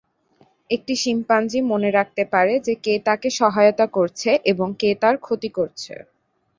একটি শিম্পাঞ্জি মনে রাখতে পারে যে কে তাকে সহায়তা করেছে এবং কে তার ক্ষতি করেছে।